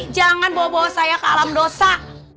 jangan bawa bawa saya ke alam dosa